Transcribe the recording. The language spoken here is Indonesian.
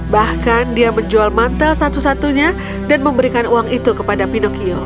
bahkan dia menjual mantel satu satunya dan memberikan uang itu kepada pinocchio